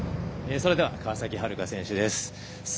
それでは川崎春花選手です。